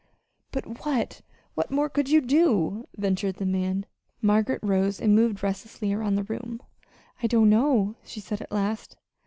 "But what what more could you do?" ventured the man. Margaret rose, and moved restlessly around the room. "I don't know," she said at last.